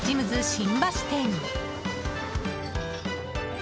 新橋店。